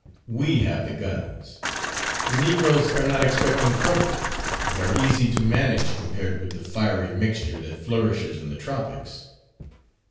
We have the guns. The negroes are not expecting trouble, and are easy to manage compared with the fiery mixture that flourishes in the tropics."